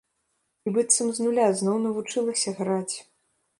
І быццам з нуля зноў навучылася граць.